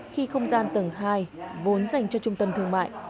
khi không gian tầng hai vốn dành cho trung tâm thương mại